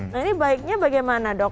nah ini baiknya bagaimana dok